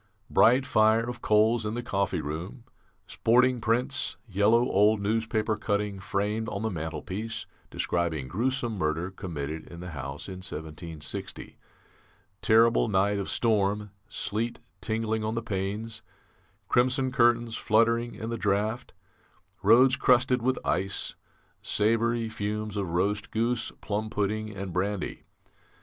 "Bright fire of coals in the coffee room, sporting prints, yellow old newspaper cutting framed on the mantelpiece describing gruesome murder committed in the house in 1760. Terrible night of storm sleet tingling on the panes; crimson curtains fluttering in the draught; roads crusted with ice; savoury fumes of roast goose, plum pudding, and brandy.